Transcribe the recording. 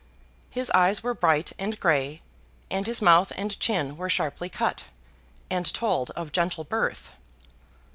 His eyes were bright and grey, and his mouth and chin were sharply cut, and told of gentle birth.